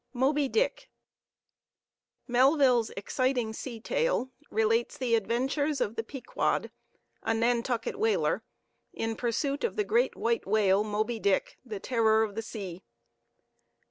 MOBY DICK Melville's exciting sea tale relates the adventures of the Pequod, a Nantucket whaler, in pursuit of the great white whale, Moby Dick, the terror of the sea.